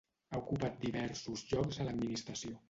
Ha ocupat diversos llocs a l'administració.